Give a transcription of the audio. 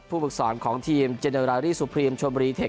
ผู้ปรึกษรของทีมเจเนอราลีสุพรีมชมรีเทค